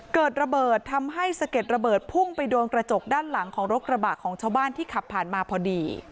เกิดระเบิดทำให้สะเก็ดระเบิดพุ่งไปโดนกระจกด้านหลังของรถกระบะของชาวบ้านที่ขับผ่านมาพอดี